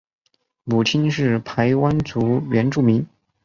母亲是排湾族原住民。